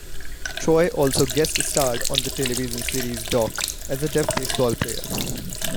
Troy also guest starred on the television series "Doc" as a deaf baseball player.